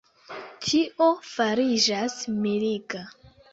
Tio fariĝas miriga.